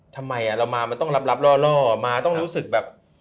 ทำไมเรามามันต้องรับล่อมาต้องรู้สึกแบบ